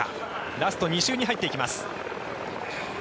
ラスト２周に入っていきます。